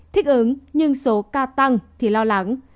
thích ứng nhưng số ca tăng thì lo lắng